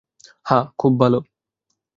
হ্যাঁ, খুব ভালো।